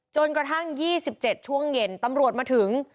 จนกระทั่ง๒๗ช่วงเย็นตำรวจมาถึง